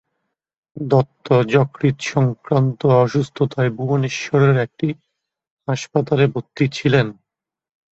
দত্ত যকৃত-সংক্রান্ত অসুস্থতায় ভুবনেশ্বরের একটি হাসপাতালে ভর্তি ছিলেন।